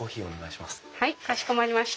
お願いします。